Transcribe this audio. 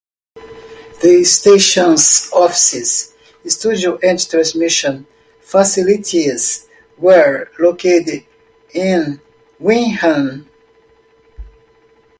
The station's offices, studios, and transmission facilities were located in Wingham.